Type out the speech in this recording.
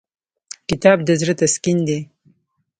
کتاب د زړه تسکین دی.